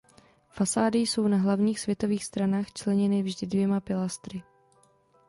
Fasády jsou na hlavních světových stranách členěny vždy dvěma pilastry.